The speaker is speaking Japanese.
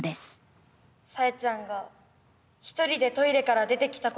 さえちゃんが一人でトイレから出てきたことがあったの。